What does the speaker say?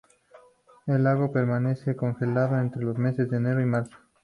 El lago permanece congelado entre los meses de Enero y Marzo.